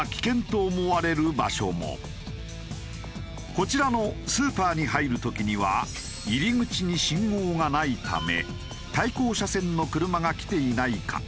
こちらのスーパーに入る時には入り口に信号がないため対向車線の車が来ていないか